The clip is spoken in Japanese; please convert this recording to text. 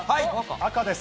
赤です。